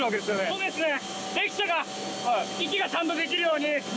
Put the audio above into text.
そうですね。